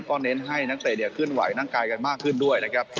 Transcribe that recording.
ก็เน้นให้นักเตะเนี่ยเคลื่อนไหวนั่งกายกันมากขึ้นด้วยนะครับ